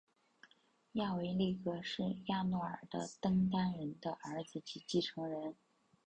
亚维力格是亚尔诺的登丹人的儿子及继承人。